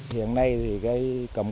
hiện nay thì cái cầm cầm